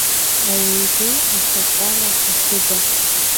Ауаҩ ду, ахаккала, ахыда…